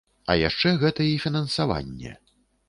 А яшчэ гэта і фінансаванне.